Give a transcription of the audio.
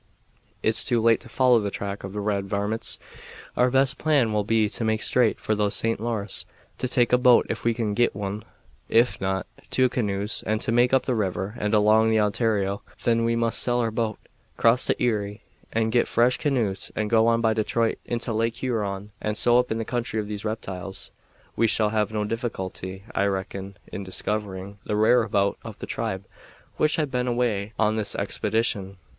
It's too late to follow the track of the red varmints; our best plan will be to make straight for the St. Lawrence; to take a boat if we can git one; if not, two canoes; and to make up the river and along the Ontario. Then we must sell our boat, cross to Erie, and git fresh canoes and go on by Detroit into Lake Huron, and so up in the country of these reptiles. We shall have no difficulty, I reckon, in discovering the whereabout of the tribe which has been away on this expedition."